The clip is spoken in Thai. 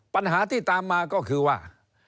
ปัญหาที่ตามมาก็คือว่า